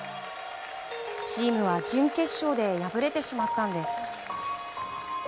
チームは準決勝で敗れてしまったんです。